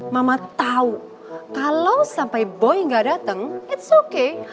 mama tau kalau sampai boy gak dateng it's okay